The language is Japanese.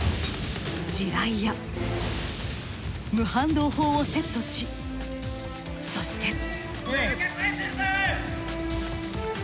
地雷や無反動砲をセットしそして。